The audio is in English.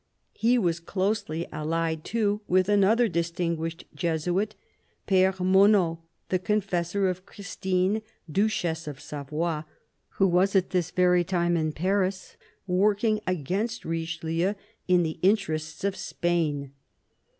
He was closely allied, too, with another distinguished Jesuit, Pere Monot, the confessor of Christine, Duchess of Savoy, who was at this very time in Paris working against Richelieu in the interests of Spain.